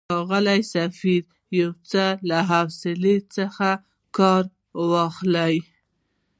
ښاغلی سفیر، یو څه له حوصلې څخه کار واخلئ.